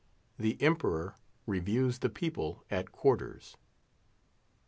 THE EMPEROR REVIEWS THE PEOPLE AT QUARTERS.